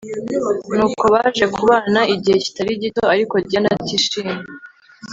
Nuko Baje kubana igihe kitarigito…Ariko Diane atishimye